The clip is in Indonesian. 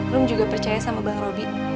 rum juga percaya sama bang sulam ya